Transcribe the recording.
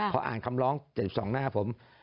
พออ่านคำร้อง๗๒หน้าผม